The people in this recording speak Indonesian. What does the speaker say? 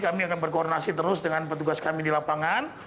kami akan berkoordinasi terus dengan petugas kami di lapangan